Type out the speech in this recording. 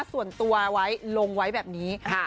ส่วนตัวไว้ลงไว้แบบนี้